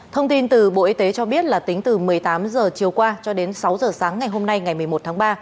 thông tin từ bộ y tế cho biết là tính từ một mươi tám h chiều qua cho đến sáu h sáng ngày hôm nay ngày một mươi một tháng ba